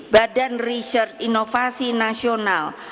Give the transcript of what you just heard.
badan riset inovasi nasional